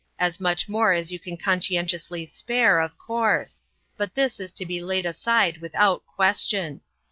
As much more as you can con scientiously spare, of course ; but this is to be laid aside without question.